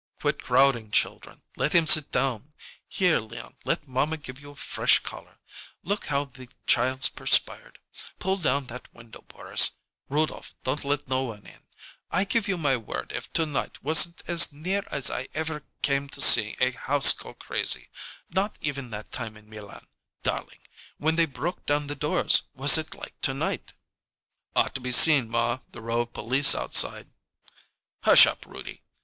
"Quit crowding, children. Let him sit down. Here, Leon, let mamma give you a fresh collar. Look how the child's perspired. Pull down that window, Boris. Rudolph, don't let no one in. I give you my word if to night wasn't as near as I ever came to seeing a house go crazy. Not even that time in Milan, darlink, when they broke down the doors, was it like to night " "Ought to seen, ma, the row of police outside " "Hush up, Roody!